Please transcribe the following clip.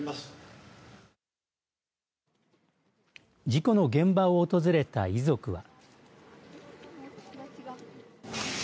事故の現場を訪れた遺族は。